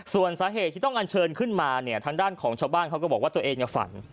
ส่วนสาเหตุที่ต้องอันเชิญขึ้นมาเนี่ยทางด้านของชาวบ้านเขาก็บอกว่าตัวเองฝัน